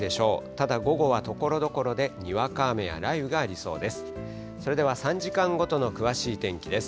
ただ、午後はところどころでにわか雨や雷雨がありそうです。